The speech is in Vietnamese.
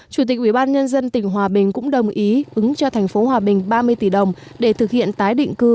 chủ tịch ubnd tỉnh hòa bình cũng đồng ý ứng cho thành phố hòa bình ba mươi tỷ đồng để thực hiện tái định cư cầu hòa bình ba